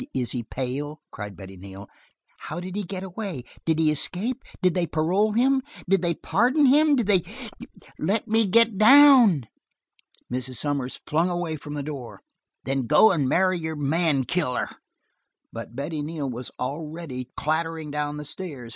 Is he pale?" cried Betty Neal. "How did he get away? Did he escape? Did they parole him? Did they pardon him? Did he " "Let me get down!" she cried. Mrs. Sommers flung away from the door. "Then go and marry your man killer!" But Betty Neal was already clattering down the stairs.